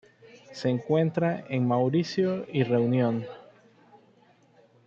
Se encuentra en Mauricio y Reunión.